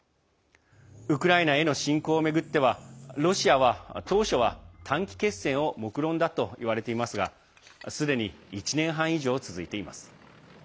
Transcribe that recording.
ウクライナへの侵攻を巡ってはロシアは当初は短期決戦をもくろんだといわれていますがすでに１年半以上続いています。